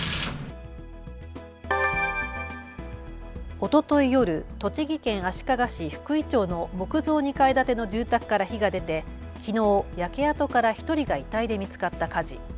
おととい夜、栃木県足利市福居町の木造２階建ての住宅から火が出て、きのう焼け跡から１人が遺体で見つかった火事。